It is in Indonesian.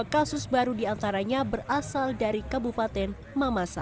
tiga puluh dua kasus baru diantaranya berasal dari kabupaten mamasar